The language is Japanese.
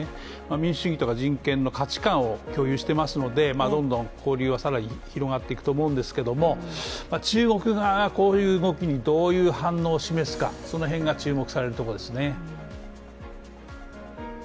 民主主義とか人権の価値観を共有していますのでどんどん交流は広がっていくと思うんですけども中国側がこういう動きにどういう反応を示すかその辺が注目されるところですね。